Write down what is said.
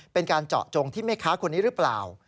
เป็นการเจาะจงที่แม่ค้าคนนี้หรือเปล่า